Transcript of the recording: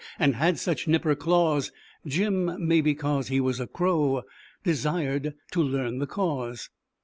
And had such nipper claws, Jim, maybe 'cause he was a Crow, Desired to learn the cause.